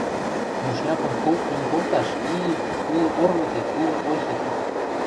Мушнякым колт йӱн колташ и... улы орлыкет, улы ойхет пӹтӓ...